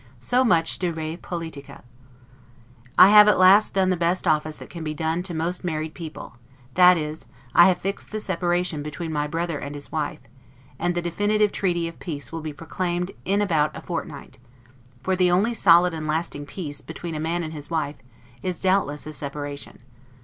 So much 'de re politica'. I have at last done the best office that can be done to most married people; that is, I have fixed the separation between my brother and his wife; and the definitive treaty of peace will be proclaimed in about a fortnight; for the only solid and lasting peace, between a man and his wife, is, doubtless, a separation.